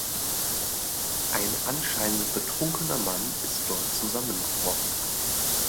Ein anscheinend betrunkener Mann ist dort zusammengebrochen.